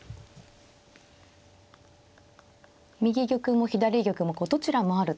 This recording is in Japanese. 右玉も左玉もどちらもあるという。